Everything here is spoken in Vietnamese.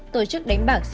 tổ chức đánh bảng